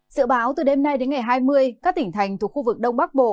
sự báo từ đêm nay đến ngày hai mươi các tỉnh thành thuộc khu vực đông bắc bộ